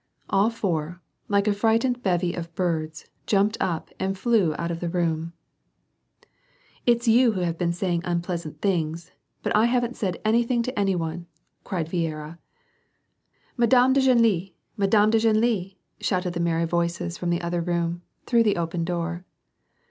All four, like a frightened bevy of birds, jumped up and flew out of the room. " It's you who have been saying unpleasant things, but I haven't said anything to any one," cried Viera. " Madame de Glenlis ! Madame de Genlis !" shouted the merry voices from the other room, through the open door.